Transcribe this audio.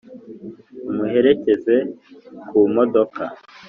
umuherekeze ku modoka